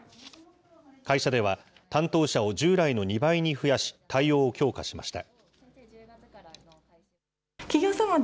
会社では、担当者を従来の２倍に増やし、対応を強化しました。